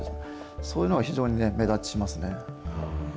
そういうのが非常にね、目立ちますね。